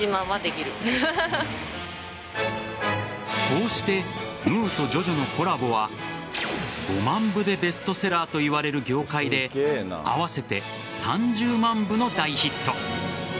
こうして「ムー」と「ジョジョ」のコラボは５万部でベストセラーといわれる業界で合わせて３０万部の大ヒット。